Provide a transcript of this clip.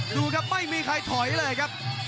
ดูครับไม่มีใครถอยเลยครับ